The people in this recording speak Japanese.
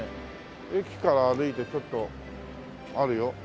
駅から歩いてちょっとあるよ。